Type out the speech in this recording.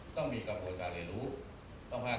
ต้องมีกรรมโตจารย์